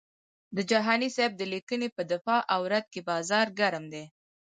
د جهاني صاحب د لیکنې په دفاع او رد کې بازار ګرم دی.